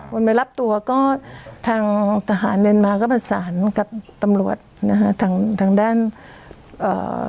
วันไปรับตัวก็ทางทหารเมียนมาก็ประสานกับตำรวจนะฮะทางทางด้านเอ่อ